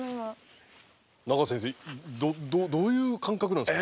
中先生どういう感覚なんですか？